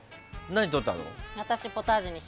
何取ったの？